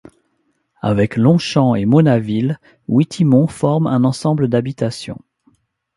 Avec Longchamps et Monaville, Withimont forme un ensemble d'habitations.